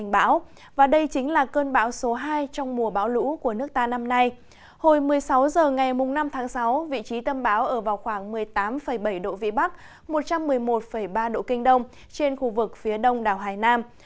hồi một mươi sáu h ngày năm tháng sáu vị trí tâm bão ở vào khoảng một mươi tám bảy độ vĩ bắc một trăm một mươi một ba độ kinh đông trên khu vực phía đông đảo hải nam